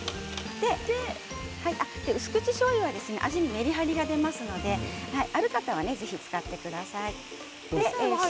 薄口しょうゆは味にメリハリが出ますので、ある方はぜひ使ってください。